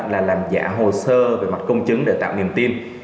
là làm giả hồ sơ về mặt công chứng để tạo niềm tin